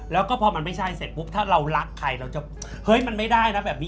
แล้วก็พอมันไม่ใช่เสร็จปุ๊บถ้าเรารักใครเราจะเฮ้ยมันไม่ได้นะแบบนี้